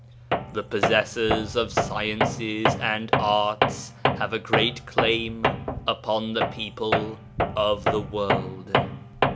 The possessors of sciences and arts have a great claim upon the people of the world."